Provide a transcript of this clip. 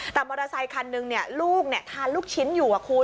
แต่มอเตอร์ไซค์คันนึงเนี่ยลูกเนี่ยทานลูกชิ้นอยู่อะคุณ